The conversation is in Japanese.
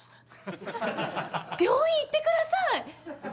病院行ってください！